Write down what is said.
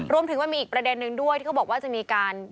มันมีอีกประเด็นนึงด้วยที่เขาบอกว่าจะมีการ